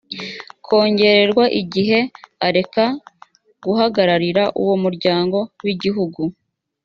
kongererwa igihe areka guhagararira uwo muryanga wigihugu